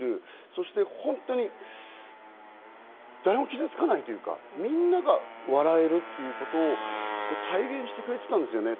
そして誰も傷つかないというか、みんなが笑えるということを体現してくれていたんですよね。